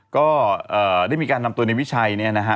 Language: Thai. ก็ได้มีการนำตัวในวิชัยเนี่ยนะฮะ